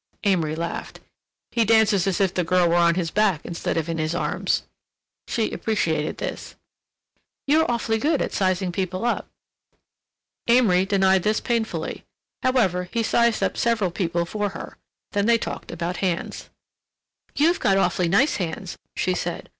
Amory laughed. "He dances as if the girl were on his back instead of in his arms." She appreciated this. "You're awfully good at sizing people up." Amory denied this painfully. However, he sized up several people for her. Then they talked about hands. "You've got awfully nice hands," she said.